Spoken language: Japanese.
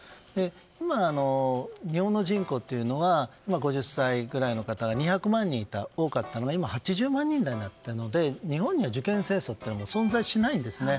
今、日本の人口というのは５０歳ぐらいの方は２００万人で多かったんですが今は８０万人ぐらいになったので日本には受験戦争は存在しないんですね。